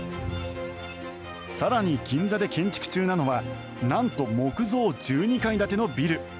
更に、銀座で建築中なのはなんと木造１２階建てのビル。